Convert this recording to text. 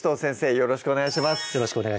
よろしくお願いします